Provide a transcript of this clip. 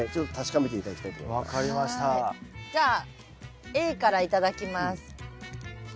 じゃあＡから頂きます。